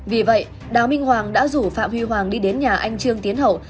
vì vậy đào minh hoàng đã rủ phạm huy hoàng đi đến nhà anh trương tiến hậu